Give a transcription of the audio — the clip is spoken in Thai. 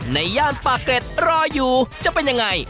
ย่านปากเกร็ดรออยู่จะเป็นยังไง